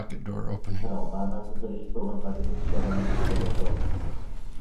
এছাড়াও, Burma socialist program party প্রতিষ্ঠা করেন ও দলের সভাপতি ছিলেন।